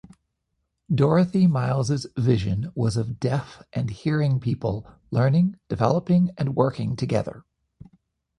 Dorothy Miles' vision was of deaf and hearing people learning, developing and working together.